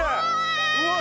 うわ！